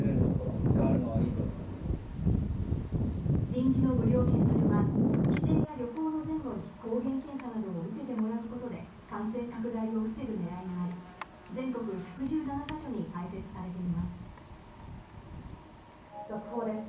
臨時の無料検査所は帰省や旅行の前後に抗原検査などを受けてもらうことで感染拡大を防ぐ狙いがあり全国１１７カ所に速報です。